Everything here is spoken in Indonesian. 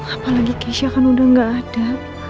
apalagi keisha kan udah gak ada